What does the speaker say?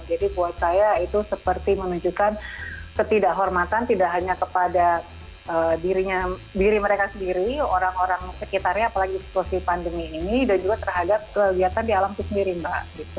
jadi buat saya itu seperti menunjukkan ketidakhormatan tidak hanya kepada diri mereka sendiri orang orang sekitarnya apalagi situasi pandemi ini dan juga terhadap kegiatan di alam itu sendiri mbak